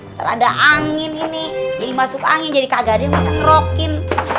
ntar ada angin ini jadi masuk angin jadi kagak ada yang bisa ngerokin